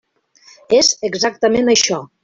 És exactament això.